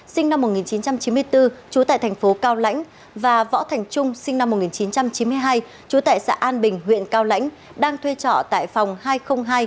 sinh năm một nghìn chín trăm chín mươi bốn trú tại thành phố cao lãnh và võ thành trung sinh năm một nghìn chín trăm chín mươi hai trú tại xã an bình huyện cao lãnh đang thuê trọ tại phòng hai trăm linh hai